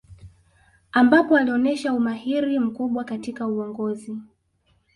Ambapo alionesha umahiri mkubwa katika uongozi